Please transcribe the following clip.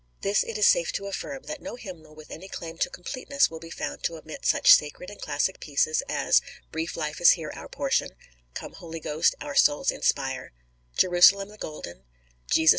This it is safe to affirm, that no hymnal with any claim to completeness will be found to omit such sacred and classic pieces as, "Brief life is here our portion," "Come, Holy Ghost, our souls inspire," "Jerusalem the golden," "Jesus!